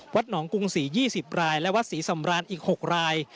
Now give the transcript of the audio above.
หนองกรุงศรี๒๐รายและวัดศรีสำรานอีก๖ราย